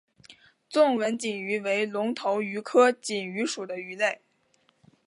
纵纹锦鱼为隆头鱼科锦鱼属的鱼类。